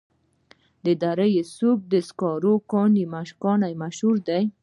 د دره صوف د سکرو کان مشهور دی